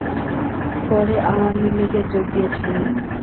পরে আওয়ামী লীগে যোগ দিয়েছিলেন।